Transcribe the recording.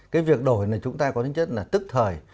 cái việc đổi này chúng ta có tính chất là tức thời